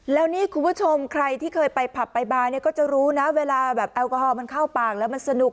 แล้วนี่คุณผู้ชมใครที่เคยไปผับไปมาเนี่ยก็จะรู้นะเวลาแบบแอลกอฮอลมันเข้าปากแล้วมันสนุก